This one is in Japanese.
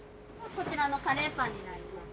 こちらのカレーパンになります。